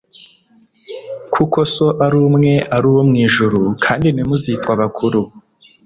kuko So ari umwe, ari uwo mu ijuru. Kandi ntimuzitwe abakuru,